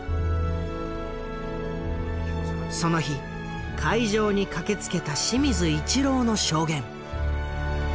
その日会場に駆けつけた清水一朗の証言。